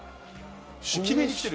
決めに来てる。